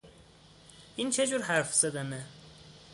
این چه جور حرف زدنه!